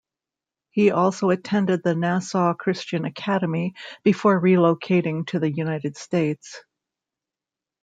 He also attended the Nassau Christian Academy before relocating to the United States.